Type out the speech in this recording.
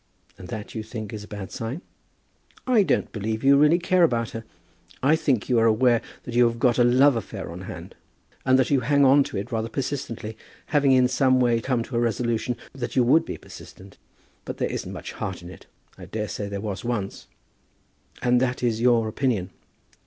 "And that, you think, is a bad sign?" "I don't believe you really care about her. I think you are aware that you have got a love affair on hand, and that you hang on to it rather persistently, having in some way come to a resolution that you would be persistent. But there isn't much heart in it. I daresay there was once." "And that is your opinion?"